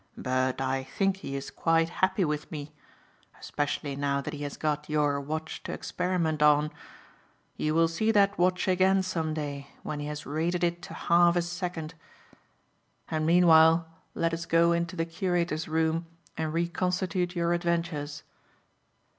But I think he is quite happy with me especially now that he has got your watch to experiment on. You will see that watch again some day, when he has rated it to half a second. And meanwhile let us go into the curator's room and reconstitute your adventures."